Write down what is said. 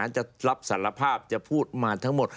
จะรับสารภาพจะพูดมาทั้งหมด